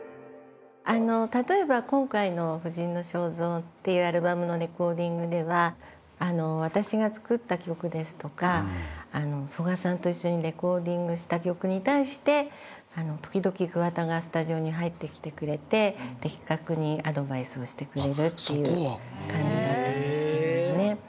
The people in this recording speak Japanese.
例えば今回の『婦人の肖像』っていうアルバムのレコーディングでは私が作った曲ですとか曽我さんと一緒にレコーディングした曲に対して時々桑田がスタジオに入ってきてくれて的確にアドバイスをしてくれるという感じだったんですけどもね。